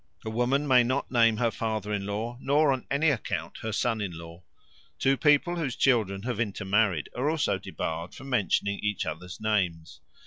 A woman may not name her father in law, nor on any account her son in law. Two people whose children have intermarried are also debarred from mentioning each other's names.